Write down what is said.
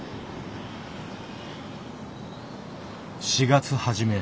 ４月初め。